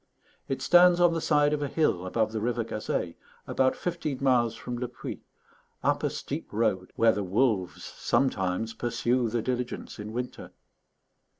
It stands on the side of a hill above the river Gazeille, about fifteen miles from Le Puy, up a steep road where the wolves sometimes pursue the diligence in winter.